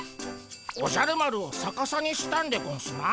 おじゃる丸をさかさにしたんでゴンスな。